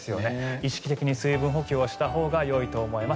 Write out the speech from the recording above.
意識的に水分補給をしたほうがいいと思います。